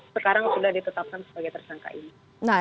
sekarang sudah ditetapkan sebagai tersangka ini